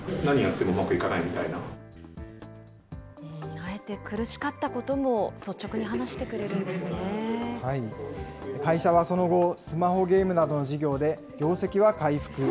あえて苦しかったことも、会社はその後、スマホゲームなどの事業で業績は回復。